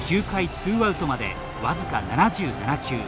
９回ツーアウトまでわずか７７球。